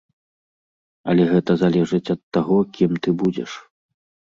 Але гэта залежыць ад таго, кім ты будзеш.